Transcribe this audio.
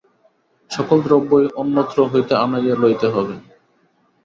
সকল দ্রব্যই অন্যত্র হইতে আনাইয়া লইতে হইবে।